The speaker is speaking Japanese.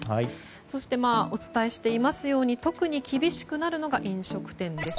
そして、お伝えしていますように特に厳しくなるのが飲食店です。